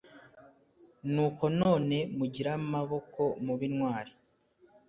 nuko none mugire amaboko mube intwari